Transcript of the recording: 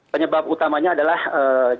penyebab utamanya adalah jaringan